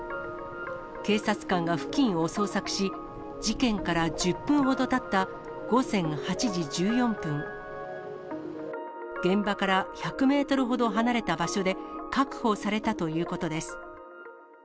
警察官が付近を捜索し、事件から１０分ほどたった、午前８時１４分、現場から１００メートルほど離れた場所で、確保されたということです。